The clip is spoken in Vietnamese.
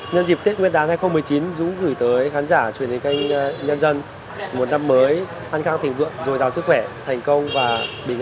nhân dịp tết nguyên đán hai nghìn một mươi chín dũng gửi tới khán giả truyền hình kênh nhân dân một năm mới an khang thỉnh vượng rồi giàu sức khỏe thành công và bình an